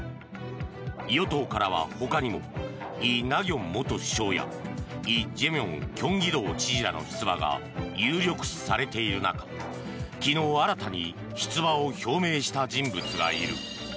与党からは他にもイ・ナギョン元首相やイ・ジェミョンキョンギ道知事らの出馬が有力視されている中、昨日新たに出馬を表明した人物がいる。